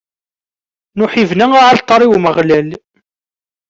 Nuḥ ibna aɛalṭar i Umeɣlal.